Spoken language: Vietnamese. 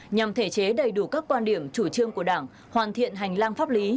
nhằm thể chế đầy đủ các quan điểm chủ trương của đảng hoàn thiện hành lang pháp lý